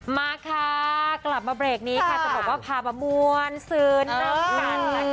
มาค่ะกลับมาเบรกนี้ค่ะจะบอกว่าภาพมวลสืนน้ำตัน